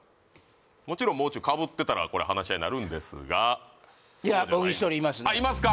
もちろんもう中かぶってたらこれ話し合いになるんですがいや僕１人いますねいますか？